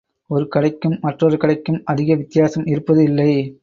ஒரு கடைக்கும் மற்றொரு கடைக்கும் அதிக வித்தியாசம் இருப்பது இல்லை.